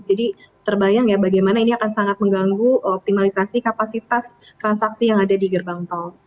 jadi terbayang ya bagaimana ini akan sangat mengganggu optimalisasi kapasitas transaksi yang ada di gerbang tol